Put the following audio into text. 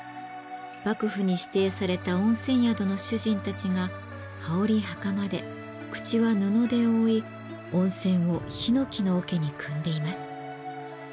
幕府に指定された温泉宿の主人たちが羽織袴で口は布で覆い温泉をひのきの桶にくんでいます。